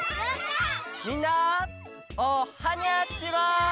みんなおはにゃちは！